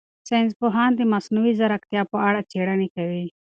ساینس پوهان د مصنوعي ځیرکتیا په اړه څېړنې کوي.